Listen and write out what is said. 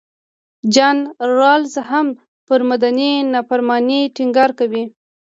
جان رالز هم پر مدني نافرمانۍ ټینګار کوي.